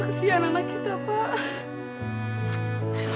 kesian anak kita pak